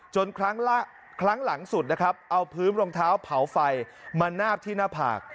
ครั้งหลังสุดนะครับเอาพื้นรองเท้าเผาไฟมานาบที่หน้าผาก